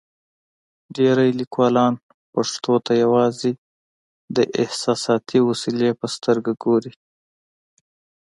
ډېری لیکوالان پښتو ته یوازې د احساساتي وسیلې په سترګه ګوري.